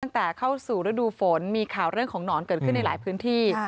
ตั้งแต่เข้าสู่ฤดูฝนมีข่าวเรื่องของหนอนเกิดขึ้นในหลายพื้นที่